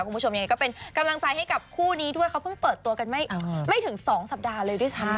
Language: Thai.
คุณผู้ชมยังไงก็เป็นกำลังใจให้กับคู่นี้ด้วยเขาเพิ่งเปิดตัวกันไม่ถึง๒สัปดาห์เลยด้วยซ้ำ